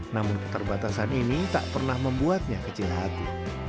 namun keterbatasan ini tak pernah membuatnya kecil hati